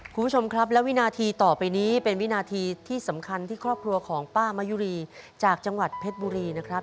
คุณผู้ชมครับและวินาทีต่อไปนี้เป็นวินาทีที่สำคัญที่ครอบครัวของป้ามะยุรีจากจังหวัดเพชรบุรีนะครับ